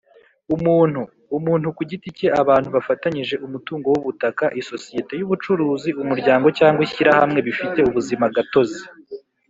Umuntu: umuntu ku giti cye, abantu bafatanyije umutungo w’ubutaka, isosiyete y’ubucuruzi, umuryango cyangwa ishyirahamwe bifite ubuzima gatozi;